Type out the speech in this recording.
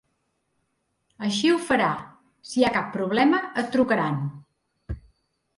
Així ho farà, si hi ha cap problema et trucaran.